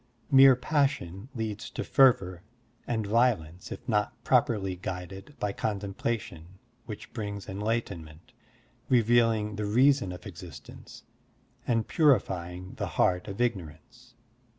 Mere passion leads to fervor and violence if not properly guided Digitized by Google BUDDHIST ETHICS 73 by contemplation which brings enlightenment, revealing the reason of existence and purifying the heart of ignorance.